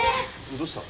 どうした？